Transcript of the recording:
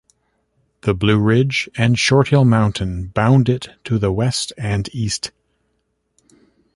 The Blue Ridge and Short Hill Mountain bound it to the west and east.